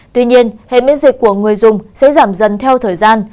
tuy nhiên hệ miễn dịch của người dùng sẽ giảm dần theo thời gian